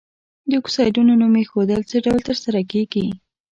د اکسایدونو نوم ایښودل څه ډول تر سره کیږي؟